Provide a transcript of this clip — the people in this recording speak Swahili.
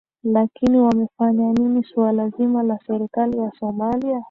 lakini wanafanya nini suala zima la serikali ya somalia